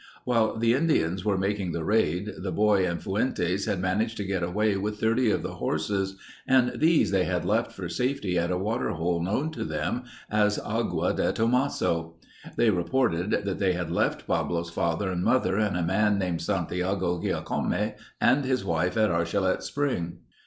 While the Indians were making the raid, the boy and Fuentes had managed to get away with 30 of the horses and these they had left for safety at a water hole known to them as Agua de Tomaso. They reported that they had left Pablo's father and mother and a man named Santiago Giacome and his wife at Archilette Spring.